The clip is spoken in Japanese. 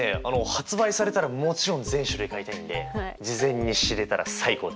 発売されたらもちろん全種類買いたいんで事前に知れたら最高です。